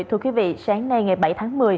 thưa quý vị sáng nay ngày bảy tháng một mươi